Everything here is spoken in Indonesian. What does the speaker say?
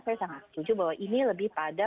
saya sangat setuju bahwa ini lebih pada